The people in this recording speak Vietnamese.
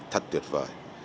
thật tuyệt vời